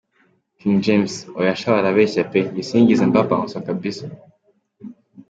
King James: Oya sha barabeshya pee, njye sinigeze mba Bouncer kabisa.